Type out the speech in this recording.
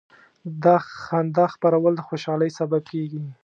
د خندا خپرول د خوشحالۍ سبب کېږي.